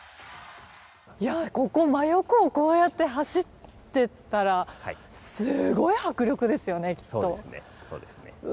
真横をこうやって走っていったらすごい迫力ですよね、きっと。